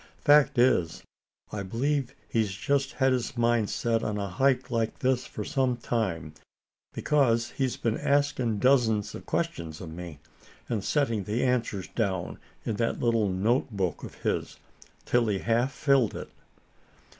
Fact is, I believe he's just had his mind set on a hike like this for some time, because he's been asking dozens of questions of me, and setting the answers down in that little note book of his, till he half filled it."